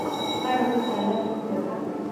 هره ورځ د الله شکر ادا کړه.